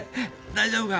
大丈夫か？